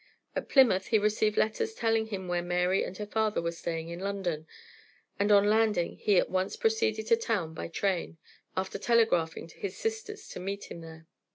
At Plymouth he received letters telling him where Mary and her father were staying in London, and on landing he at once proceeded to town by train, after telegraphing to his sisters to meet him there.